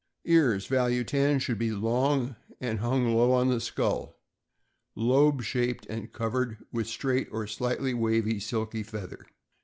Ears (value 10) should be long and hung low on the skull, lobe shaped, and covered with straight or slightly wavy silky feather.